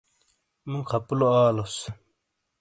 مو خپلو آلوس۔